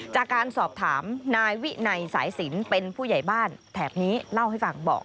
จากการสอบถามนายวินัยสายสินเป็นผู้ใหญ่บ้านแถบนี้เล่าให้ฟังบอก